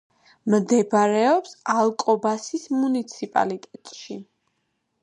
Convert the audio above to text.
მდებარეობს ალკობასის მუნიციპალიტეტში.